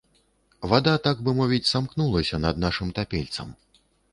Вада, так бы мовіць, самкнулася над нашым тапельцам.